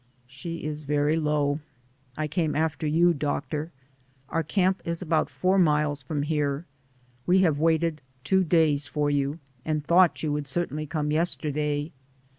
"She is very low. I came after you, doc tor. Our camp is about four miles from here; we have waited two days for you, and thought you would certainly come yesterday.